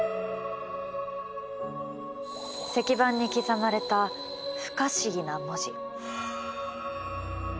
石板に刻まれた不可思議な文字。